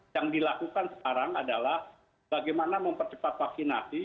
yang dilakukan sekarang adalah bagaimana mempercepat vaksinasi